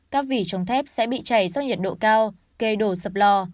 các vỉ trong thép sẽ bị chảy do nhiệt độ cao gây đổ sập lò